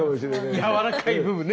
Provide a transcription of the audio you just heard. やわらかい部分ね。